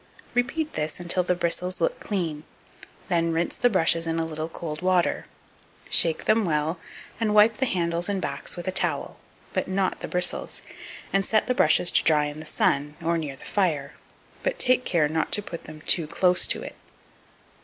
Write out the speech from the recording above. Repeat this until the bristles look clean; then rinse the brushes in a little cold water; shake them well, and wipe the handles and backs with a towel, but not the bristles, and set the brushes to dry in the sun, or near the fire; but take care not to put them too close to it.